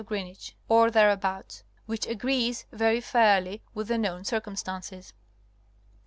Gr. or thereabouts, which agrees very fairly with the known circumstances.